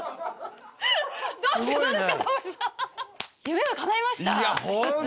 夢がかないました一つ。